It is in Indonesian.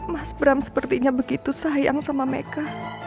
mas bram sepertinya begitu sayang sama mereka